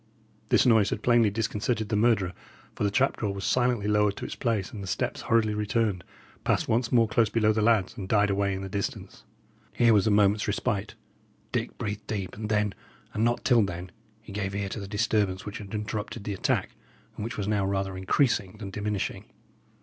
This noise had plainly disconcerted the murderer, for the trap door was silently lowered to its place, and the steps hurriedly returned, passed once more close below the lads, and died away in the distance. Here was a moment's respite. Dick breathed deep, and then, and not till then, he gave ear to the disturbance which had interrupted the attack, and which was now rather increasing than diminishing.